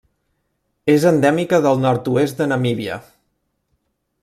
És endèmica del nord-oest de Namíbia.